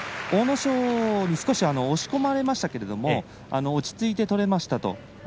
阿武咲に少し押し込まれましたけれども落ち着いて取れましたと。